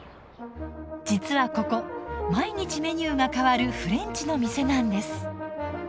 実はここ毎日メニューが変わるフレンチの店なんです。